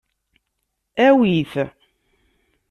Awi-t!